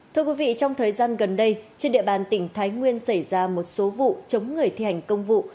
thưa quý vị trong thời gian gần đây trên địa bàn tỉnh thái nguyên xảy ra một số vụ chống người thi hành công vụ